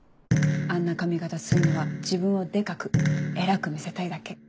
あんな髪形すんのは自分をデカく偉く見せたいだけ。